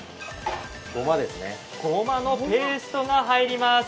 ごまのペーストが入ります。